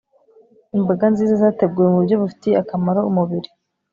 imboga nziza zateguwe mu buryo bufitiye akamaro umubiri